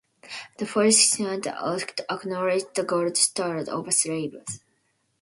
The Fourth Coinage Act acknowledged the gold standard over silver.